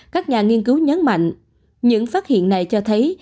các nhà nghiên cứu nhấn mạnh những phát hiện này cho thấy